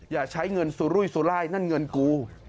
อย่าใช้เงินสู้รุ่ยสู้ไล่นั่นเงินกู้